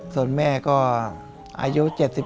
ส่วนแม่ก็เป็นอาชีพรับจ้างครับ